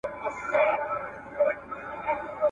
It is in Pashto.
هغه ورځ چي نه لېوه نه قصابان وي ,